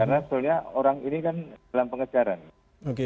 karena sebenarnya orang ini kan dalam pengejaran